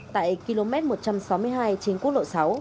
tại km một trăm sáu mươi hai trên quốc lộ sáu